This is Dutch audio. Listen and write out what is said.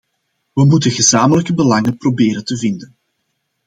Wij moeten gezamenlijke belangen proberen te vinden.